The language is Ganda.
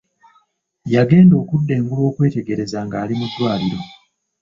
Yagenda okudda engulu okwetegereza nga ali mu ddwaliro.